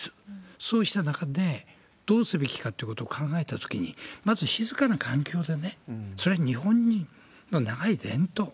そうした中で、どうすべきかということを考えたときに、まず静かな環境で、それは日本人の長い伝統。